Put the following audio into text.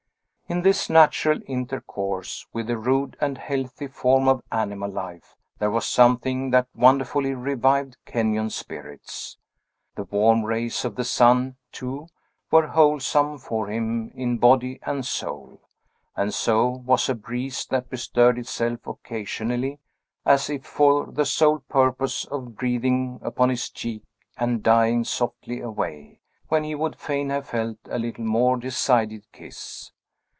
In this natural intercourse with a rude and healthy form of animal life, there was something that wonderfully revived Kenyon's spirits. The warm rays of the sun, too, were wholesome for him in body and soul; and so was a breeze that bestirred itself occasionally, as if for the sole purpose of breathing upon his cheek and dying softly away, when he would fain have felt a little more decided kiss.